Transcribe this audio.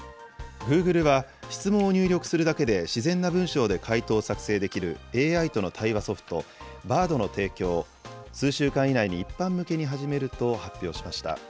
グーグルは、質問を入力するだけで自然な文章で回答を作成できるＡＩとの対話ソフト、Ｂａｒｄの提供を、数週間以内に一般向けに始めると発表しました。